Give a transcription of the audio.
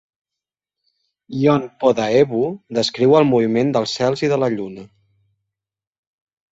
"Gyeongpodaebu" descriu el moviment dels cels i de la lluna.